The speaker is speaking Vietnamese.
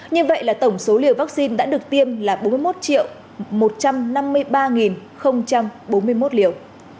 như vậy là tổng số liều vaccine đã được tiêm là bốn mươi một một trăm năm mươi ba bốn mươi một liều